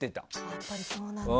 やっぱり、そうなんだ。